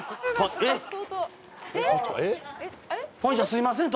すいません。